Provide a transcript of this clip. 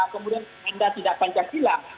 kemudian anda tidak pancasila